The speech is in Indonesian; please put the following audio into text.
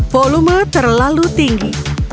volumenya terlalu tinggi